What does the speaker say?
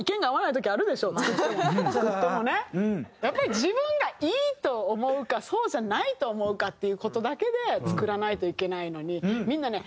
やっぱり自分がいいと思うかそうじゃないと思うかっていう事だけで作らないといけないのにみんなね